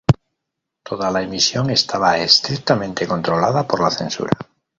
Toda la emisión estaba estrictamente controlada por la censura.